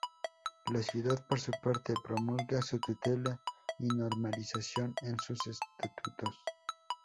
La ciudad, por su parte, promulga su tutela y normalización en sus estatutos.